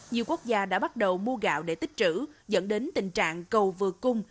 nhiều quốc gia đã bắt đầu mua gạo để tích trữ dẫn đến tình trạng cầu vừa cung